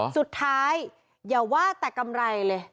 สุดท้ายอย่าว่าแต่กำไรเลย